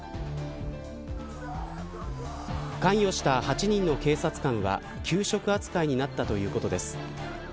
関与した８人の警察官は休職扱いになったということです。